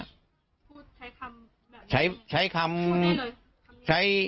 พูดใช้คำแบบนี้